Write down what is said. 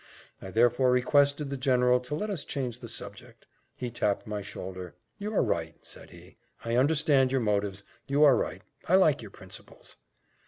I therefore requested the general to let us change the subject. He tapped my shoulder: "You are right," said he; "I understand your motives you are right I like your principles."